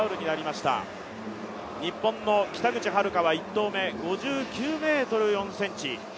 日本の北口榛花は１投目、５９ｍ４ｃｍ。